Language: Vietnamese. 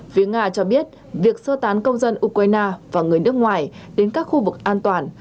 phía nga cho biết việc sơ tán công dân ukraine và người nước ngoài đến các khu vực an toàn